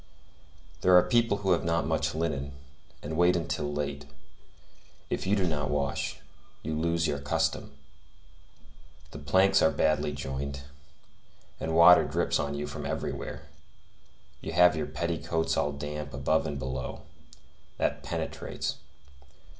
There are people who have not much linen, and wait until late; if you do not wash, you lose your custom. The planks are badly joined, and water drops on you from everywhere; you have your petticoats all damp above and below. That penetrates.